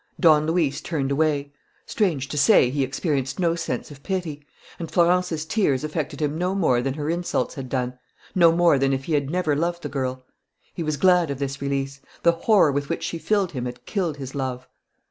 Don Luis turned away. Strange to say, he experienced no sense of pity; and Florence's tears affected him no more than her insults had done, no more than if he had never loved the girl. He was glad of this release. The horror with which she filled him had killed his love.